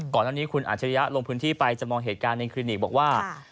ก่อนตะวันนี้คุณอัชฎรยะลงผึ้นที่ไปจำนวงเหตุการณ์ในคลินิกบอกว่า